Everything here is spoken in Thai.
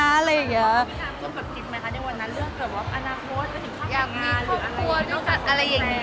คือบอกเลยว่าเป็นครั้งแรกในชีวิตจิ๊บนะ